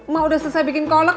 mah udah selesai bikin kolek